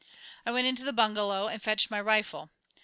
I went into the bungalow and fetched my rifle.